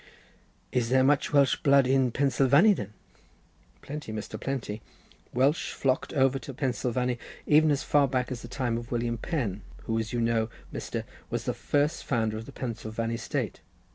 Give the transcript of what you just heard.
"Is there much Welsh blood in Pensilvany, then?" "Plenty, Mr., plenty. Welsh flocked over to Pensilvany even as far back as the time of William Penn, who, as you know, Mr., was the first founder of the Pensilvany State.